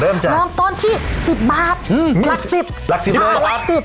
เริ่มจากเริ่มต้นที่สิบบาทหลักสิบหลักสิบเลยหลักสิบ